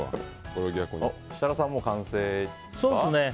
設楽さん、もう完成ですか？